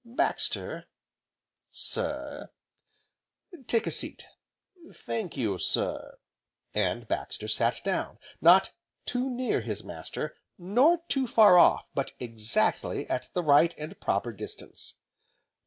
"Baxter." "Sir?" "Take a seat." "Thank you sir." And Baxter sat down, not too near his master, nor too far off, but exactly at the right, and proper distance.